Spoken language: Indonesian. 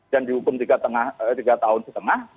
dan dihukum tiga lima tahun setengah